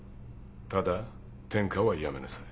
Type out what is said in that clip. ただ転科はやめなさい。